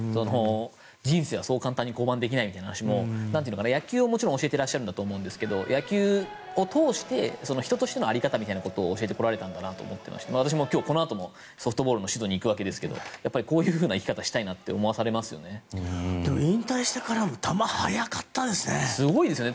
人生はそう簡単に降板できないみたいな話も野球をもちろん教えてらっしゃると思うんですが野球を通して人としての在り方を教えてこられたんだなと思って私も今日、このあとソフトボールの指導に行きますがこういう生き方をしたいなと引退してからも球が速かったですね。